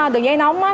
đường dây nóng